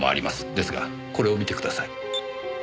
ですがこれを見てください。